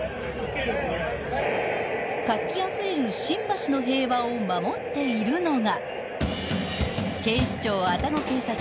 ［活気あふれる新橋の平和を守っているのが］